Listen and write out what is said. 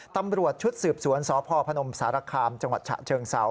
ตำรวจชุดสืบสวนสพพนมสารคามจังหวัดฉะเชิงเซา